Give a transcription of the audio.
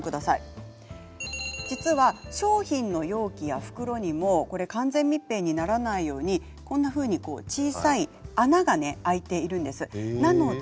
実は商品の容器や袋にも完全密閉にならないように小さな穴が開いているんです。